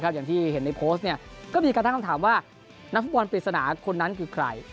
อย่างที่เห็นในโพสต์ก็มีการตั้งคำถามว่านักฟุตบอลปริศนาคนนั้นคือใคร